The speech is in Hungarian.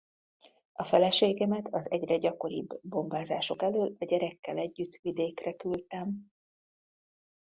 A feleségemet az egyre gyakoribb bombázások elől a gyerekkel együtt vidékre küldtem.